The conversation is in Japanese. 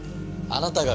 あなたが？